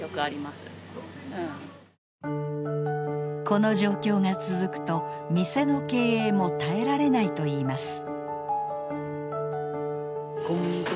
この状況が続くと店の経営も耐えられないといいます。